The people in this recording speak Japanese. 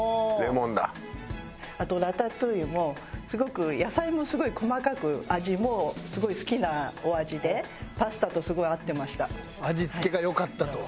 あとラタトゥイユもすごく野菜もすごい細かく味もすごい好きなお味で味付けが良かったと。